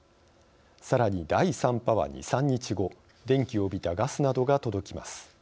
さらに第３波は２３日後電気を帯びたガスなどが届きます。